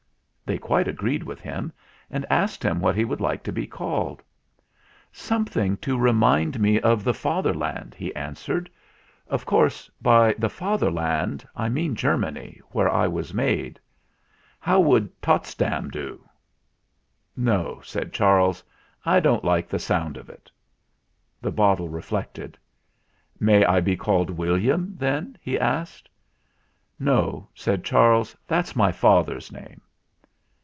They quite agreed with him, and asked him what he would like to be called. "Something to remind me of the Father land," he answered. "Of course by 'the Fath erland' I mean Germany, where I was made. How would Totsdam' do ?" THE GALLOPER'S SCHOOLING 229 "No," said Charles; "I don't like the sound of it." The bottle reflected. "May I be called William,' then?" he asked. "No," said Charles; "that's my father's name."